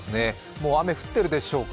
もう雨降っていますでしょうか。